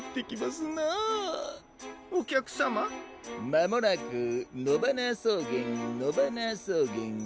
まもなくのばなそうげんのばなそうげん。